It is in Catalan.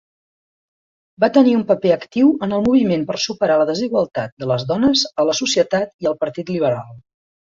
Va tenir un paper actiu en el moviment per superar la desigualtat de les dones a la societat i al partit liberal.